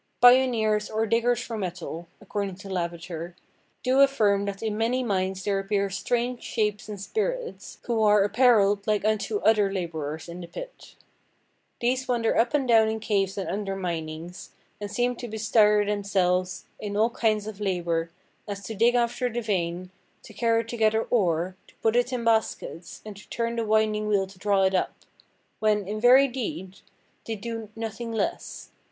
"Pioneers or diggers for metal," according to Lavater, "do affirme that in many mines there appeare straunge shapes and spirites, who are apparelled like unto other laborers in the pit. These wander up and down in caves and underminings, and seeme to bestuire themselves in all kinde of labour, as to digge after the veine, to carrie to–gither oare, to put it in baskets, and to turne the winding–whele to draw it up, when, in very deede, they do nothing lesse.